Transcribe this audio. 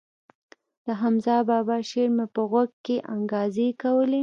د حمزه بابا شعر مې په غوږو کښې انګازې کولې.